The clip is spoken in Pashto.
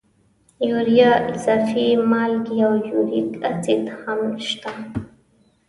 یوریا، اضافي مالګې او یوریک اسید هم شته.